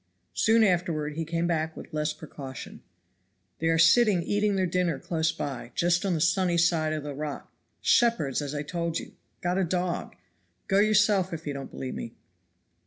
Soon afterward he came back with less precaution. "They are sitting eating their dinner close by, just on the sunny side of the rock shepherds, as I told you got a dog. Go yourself if you don't believe me."